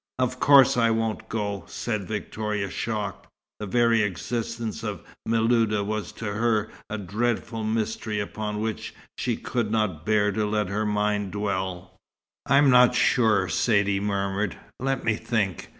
"Of course I won't go," said Victoria, shocked. The very existence of Miluda was to her a dreadful mystery upon which she could not bear to let her mind dwell. "I'm not sure," Saidee murmured. "Let me think.